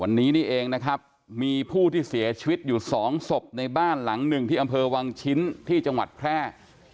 วันนี้นี่เองนะครับมีผู้ที่เสียชีวิตอยู่สองศพในบ้านหลังหนึ่งที่อำเภอวังชิ้นที่จังหวัดแพร่